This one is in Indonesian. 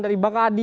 dari bang ade